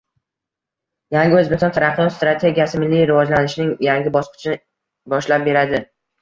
Yangi O‘zbekiston taraqqiyot strategiyasi milliy rivojlanishimizning yangi bosqichini boshlab berading